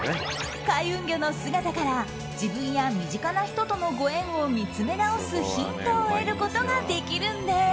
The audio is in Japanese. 開運魚の姿から自分や身近な人とのご縁を見つめ直すヒントを得ることができるんです。